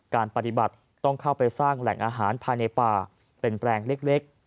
การปฏิบัติต้องเข้าไปสร้างแหล่งอาหารภายในป่าเป็นแปลงเล็ก